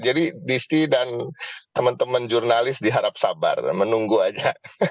jadi disti dan teman teman jurnalis diharap sabar menunggu aja